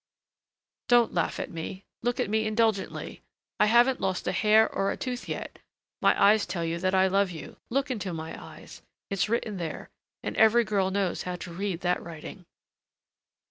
"Don't laugh at me; look at me indulgently; I haven't lost a hair or a tooth yet. My eyes tell you that I love you. Look into my eyes, it's written there, and every girl knows how to read that writing."